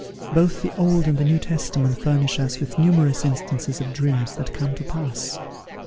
Both the Old and the New Testament furnish us with numerous instances of dreams that came to pass.